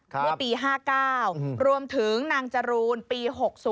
เมื่อปี๕๙รวมถึงนางจรูนปี๖๐